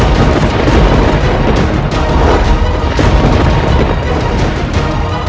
dia tidak akan berguna